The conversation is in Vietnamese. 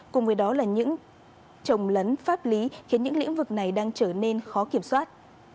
cùng với đó là những trồng lấn pháp lý khiến những lĩnh vực này đang trở nên khó kiểm soát